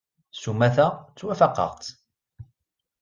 S umata, ttwafaqeɣ-tt.